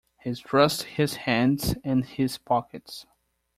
He thrust his hands in his pockets.